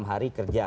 enam hari kerja